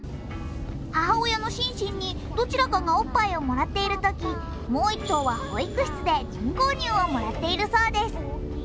母親のシンシンにどちらかがおっぱいをもらっているとき、もう１頭は保育室で人工乳をもらっているそうです。